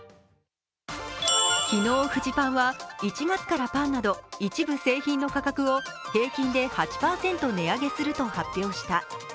昨日フジパンは１月からパンなど一部製品の価格を平均で８％値上げすると発表した。